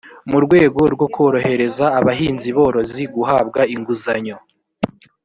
mu rwego rwo korohereza abahinziborozi guhabwa inguzanyo